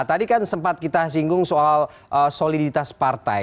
tadi kan sempat kita singgung soal soliditas partai